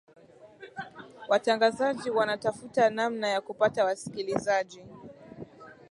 watangazaji wanatafuta namna ya kupata wasikilizaji